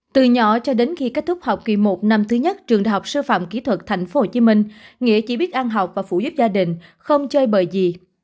từ nhỏ cho đến khi kết thúc học kỳ một năm thứ nhất trường đại học sư phạm kỹ thuật tp hcm nghĩa chỉ biết ăn học và phụ giúp gia đình không chơi bởi gì